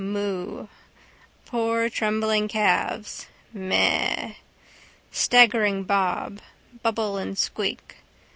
Moo. Poor trembling calves. Meh. Staggering bob. Bubble and squeak.